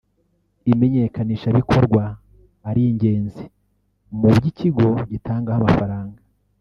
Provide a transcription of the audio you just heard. imenyekanishabikorwa ari ingenzi mu byo ikigo gitangaho amafaranga